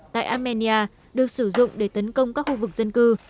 tại armenia được sử dụng để tấn công các khu vực dân cư